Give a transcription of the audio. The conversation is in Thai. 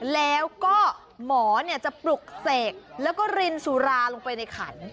แล้วก็หมอจะปลุกเสกแล้วก็รินสุราลงไปในขัน